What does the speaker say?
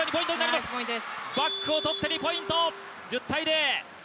バックを取って２ポイント１０−０。